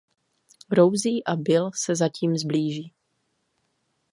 Rosie a Bill se zatím sblíží.